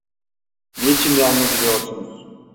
Niçin yalnız yürüyorsunuz?